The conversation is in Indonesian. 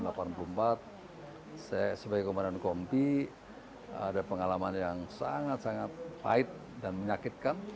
saya sebagai komandan kompi ada pengalaman yang sangat sangat pahit dan menyakitkan